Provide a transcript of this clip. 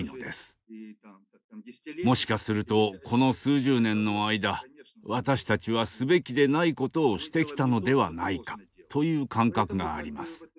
もしかするとこの数十年の間私たちはすべきでないことをしてきたのではないかという感覚があります。